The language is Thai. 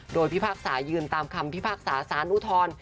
โดยพิพากษายืนตามคำพิพากษาสารอุทธร